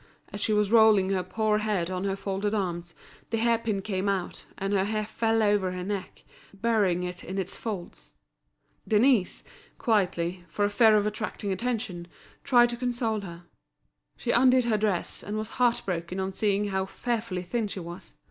As she was rolling her poor head on her folded arms, a hair pin came out, and her hair fell over her neck, burying it in its folds. Denise, quietly, for fear of attracting attention, tried to console her. She undid her dress, and was heart broken on seeing how fearfully thin she was.